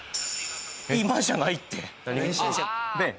今じゃないってねえ